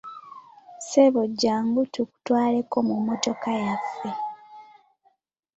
Ssebo jjangu tukutwaleko mu mmotoka yaffe.